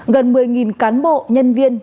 gần một mươi cán bộ nhân viên